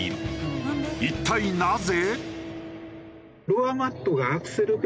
一体なぜ？